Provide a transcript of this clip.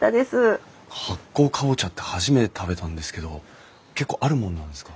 発酵カボチャって初めて食べたんですけど結構あるもんなんですか？